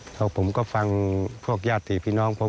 แล้วผมก็ฟังพวกญาติพี่น้องผม